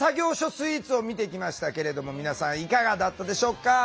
スイーツを見てきましたけれども皆さんいかがだったでしょうか？